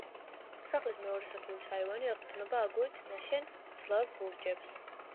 სახლის მეორე სართულის აივანი ეყრდნობა აგურით ნაშენ მძლავრ ბურჯებს.